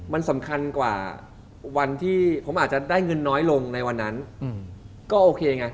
มันสำคัญกว่าวันที่ผมอาจจะได้เงินน้อยลงในวันนั้นก็โอเคไง